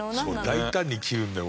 大胆に切るんだよ